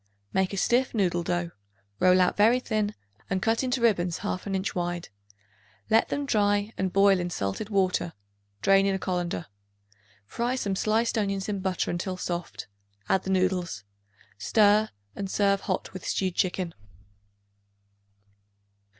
Make a stiff noodle dough; roll out very thin and cut into ribbons half an inch wide. Let them dry and boil in salted water; drain in a colander. Fry some sliced onions in butter until soft; add the noodles. Stir and serve hot with stewed chicken.